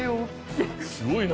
すごいな。